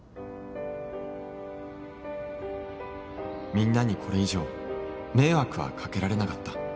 みんなにこれ以上迷惑はかけられなかった